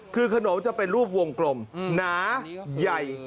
คือขนมจะเป็นรูปวงกลมหนาใหญ่